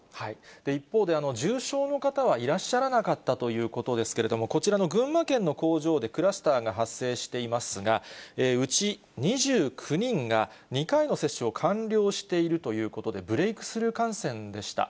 一方で、重症の方はいらっしゃらなかったということですけれども、こちらの群馬県の工場でクラスターが発生していますが、うち２９人が２回の接種を完了しているということで、ブレイクスルー感染でした。